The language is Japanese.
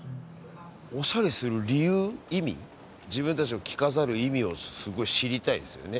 オシャレする理由意味自分たちを着飾る意味をすごい知りたいですよね。